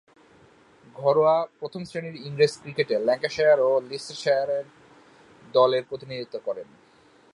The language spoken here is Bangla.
ঘরোয়া প্রথম-শ্রেণীর ইংরেজ ক্রিকেটে ল্যাঙ্কাশায়ার ও লিচেস্টারশায়ার দলের প্রতিনিধিত্ব করেন।